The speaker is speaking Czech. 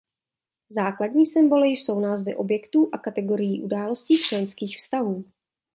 Základní symboly jsou názvy objektů a kategorií událostí členských vztahů.